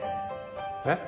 えっ？